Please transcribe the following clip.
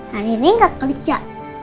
hari ini nggak kerja